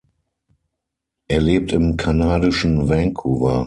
Er lebt im kanadischen Vancouver.